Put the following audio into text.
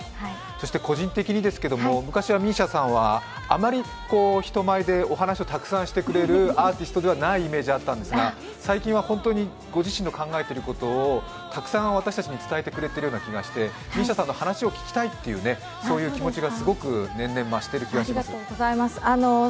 個人的にですけれど、昔はＭＩＳＩＡさんはあまり人前でお話をたくさんしてくれるアーティストではないイメージがあったんですが、最近は本当にご自身の考えていることをたくさん私たちに伝えているような気がしてＭＩＳＩＡさんの話を聞きたいという気持ちが年々、増してる気がします。